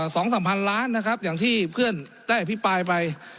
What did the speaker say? สองสามพันล้านนะครับอย่างที่เพื่อนได้อภิปรายไป